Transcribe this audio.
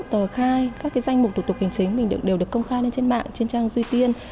tờ khai các danh mục thủ tục hành chính mình đều được công khai lên trên mạng trên trang duy tiên